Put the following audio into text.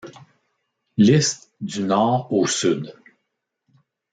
Liste du nord au sud.